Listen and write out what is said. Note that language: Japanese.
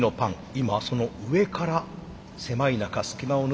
今その上から狭い中隙間を縫って入れます。